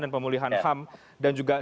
dan pemulihan ham dan juga